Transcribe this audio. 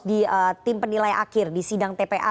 di tim penilai akhir di sidang tpa